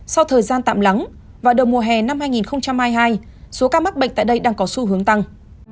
sau thời gian tạm lắng vào đầu mùa hè năm hai nghìn hai mươi hai số ca mắc bệnh tại đây đang có xu hướng tăng